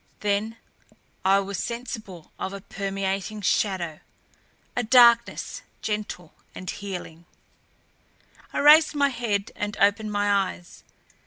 Then I was sensible of a permeating shadow, a darkness gentle and healing. I raised my head and opened my eyes.